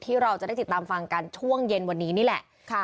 ที่เราจะได้ติดตามฟังกันช่วงเย็นวันนี้นี่แหละ